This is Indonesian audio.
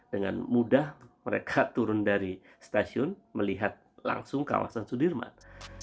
dengan mudah mereka turun dari stasiun melihat langsung kawasan sudirman